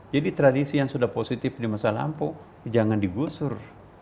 jadi tradisi yang sudah positif di masa lampau jangan digusur